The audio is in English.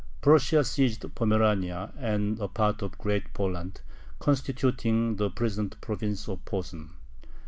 Prussia seized Pomerania and a part of Great Poland, constituting the present province of Posen.